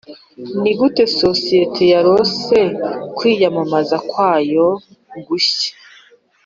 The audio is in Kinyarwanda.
nigute sosiyete yarose kwiyamamaza kwayo gushya?